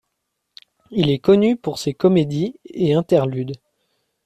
Il est connu pour ses comédies et interludes.